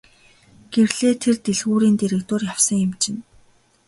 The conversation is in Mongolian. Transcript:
Гэрлээ тэр дэлгүүрийн дэргэдүүр явсан юм чинь.